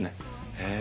へえ。